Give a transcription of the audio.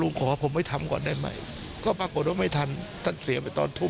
เจ็บกว่าเรื่องของคุณพ่อที่ตอนนี้ยังรักษาอาการโทรมา